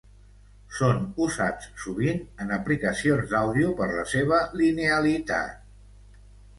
Són usats sovint en aplicacions d'àudio per la seva linealitat.